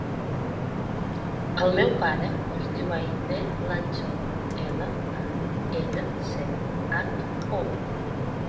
El meu pare es diu Aidé Lancho: ela, a, ena, ce, hac, o.